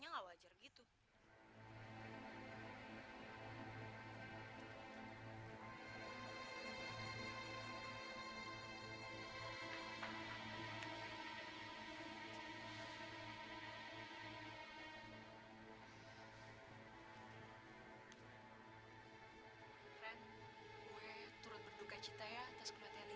ya mereka kan lagi di jalan